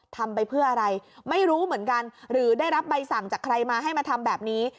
ทำไปเพื่ออะไรไม่รู้เหมือนกันหรือได้รับใบสั่งจากใครมาให้มาทำแบบนี้